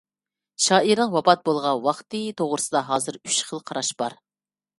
شائىرنىڭ ۋاپات بولغان ۋاقتى توغرىسىدا ھازىر ئۈچ خىل قاراش بار.